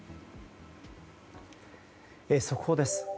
速報です。